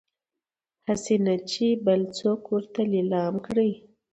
هسي نه چې يې بل څوک ورته ليلام کړي